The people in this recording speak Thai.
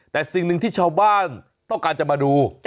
แต่สิ่งหนึ่งที่ชาวบ้านต้องการจะมาดู